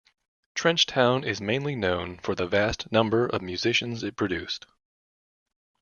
Trench Town is mainly known for the vast number of musicians it produced.